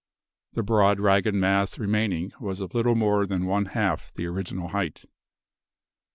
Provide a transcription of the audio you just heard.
The broad, ragged mass remaining was of little more than one half the original height.